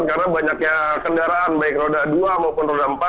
karena banyaknya kendaraan baik roda dua maupun roda empat